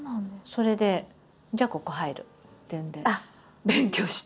それでじゃあここ入るっていうんで勉強して。